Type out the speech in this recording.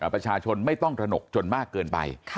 ประชาชนไม่ต้องตระหนกจนมากเกินไป